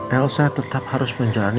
elsa tetap harus menjalani